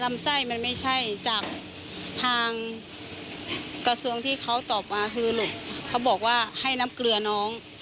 ลำไส้มันไม่ใช่จากทางกระทรวงที่เขาตอบมาคือหนูเขาบอกว่าให้น้ำเกลือน้อง